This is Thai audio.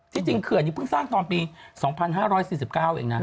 ที่จริงคืออย่างนี้เพิ่งสร้างต่อปี๒๕๔๙บาทเองนะ